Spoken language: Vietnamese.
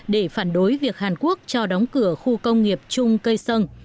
để phản đối việc hàn quốc cho đóng cửa khu công nghiệp chung cây sơn